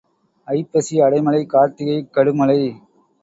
ஐப்பசி அடை மழை கார்த்திகை கடு மழை.